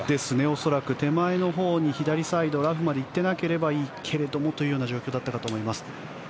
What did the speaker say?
恐らく手前のほうに左サイドのラフまで行っていなければいいけれどもという状況だったと思います。